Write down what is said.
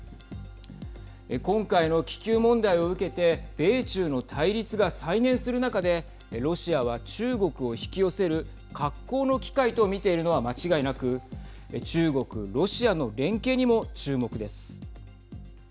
今回の気球問題を受けて米中の対立が再燃する中でロシアは中国を引き寄せる格好の機会と見ているのは間違いなく中国ロシアの連携にも注目です。